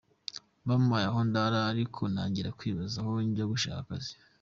Bampaye aho ndara ariko ntangira kwibaza aho njya gushaka akazi.